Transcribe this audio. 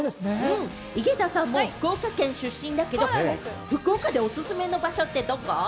井桁さんも福岡県出身だけど、福岡でおすすめの場所ってどこ？